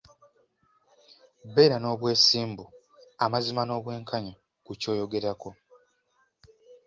Beera n'obwesimbu, amazima n'obwenkanya ku ky'oyogerako.